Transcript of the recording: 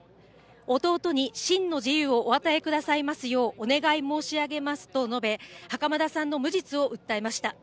弟に真の自由をお与えくださいますようお願い申し上げますと述べ、袴田さんの無実を訴えました。